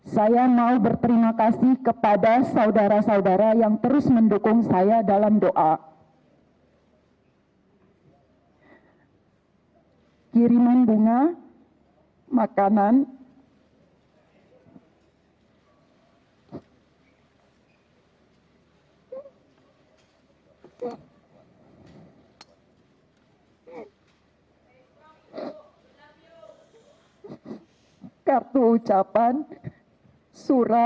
saya mau berterima kasih kepada saudara saudara yang terus mendukung saya dalam doa